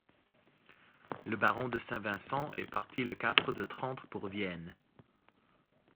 Le baron de Saint-Vincent est parti le quatre de Trente pour Vienne.